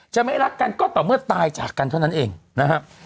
จะไม่รักกันก็ต่อเมื่อตายจากกันเท่านั้นเองนะครับ